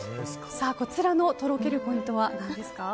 こちらのとろけるポイントは何ですか？